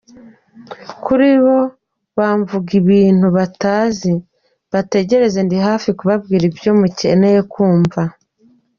Kuri abo bamvugaho ibintu batazi, bategereze ndi hafi kubabwira ibyo mukeneye kumva.